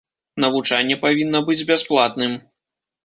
Навучанне павінна быць бясплатным.